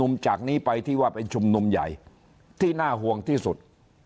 จากนี้ไปที่ว่าเป็นชุมนุมใหญ่ที่น่าห่วงที่สุด